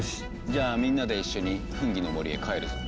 じゃあみんなで一緒にフンギの森へ帰るぞ。